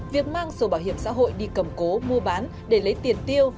việc mang sổ bảo hiểm xã hội đi cầm cố mua bán để lấy tiền tiêu